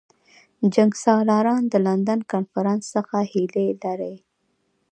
جنګسالاران د لندن کنفرانس څخه هیلې لري.